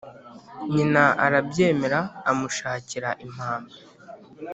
Nyina arabyemera amushakira impamba